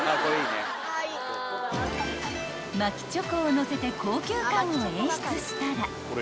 ［巻きチョコをのせて高級感を演出したら］